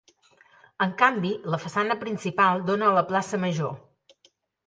En canvi, la façana principal dóna a la Plaça Major.